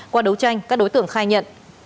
qua đấu tranh các đối tượng khai nhận